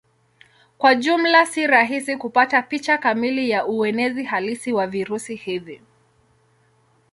Kwa jumla si rahisi kupata picha kamili ya uenezi halisi wa virusi hivi.